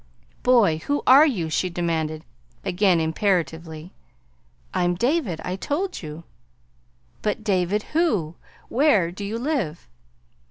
"Boy, who are you?" she demanded again imperatively. "I'm David. I told you." "But David who? Where do you live?"